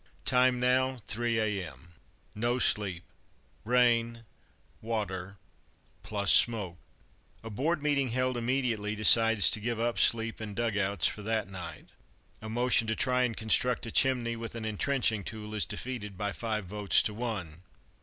Time now 3 a.m. No sleep; rain, water, plus smoke. A board meeting held immediately decides to give up sleep and dug outs for that night. A motion to try and construct a chimney with an entrenching tool is defeated by five votes to one